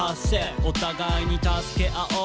「お互いに助け合おう